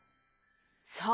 そう。